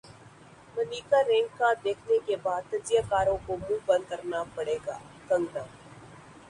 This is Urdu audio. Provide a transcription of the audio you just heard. منیکارنیکا دیکھنے کے بعد تجزیہ کاروں کو منہ بند کرنا پڑے گا کنگنا